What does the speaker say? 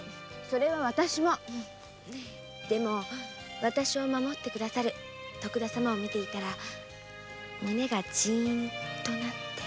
それは私もでも私を守って下さる徳田様を見ていたら胸がジンとなって。